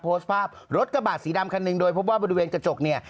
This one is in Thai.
โพสต์ภาพรถกระบะสีดำคันหนึ่งโดยพบว่าบริเวณกระจกเนี่ย